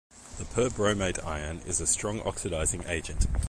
The perbromate ion is a strong oxidizing agent.